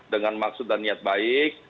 dengan maksud dan niat baik